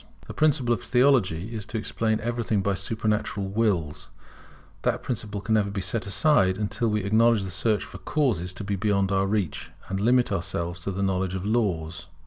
The principle of Theology is to explain everything by supernatural Wills. That principle can never be set aside until we acknowledge the search for Causes to be beyond our reach, and limit ourselves to the knowledge of Laws.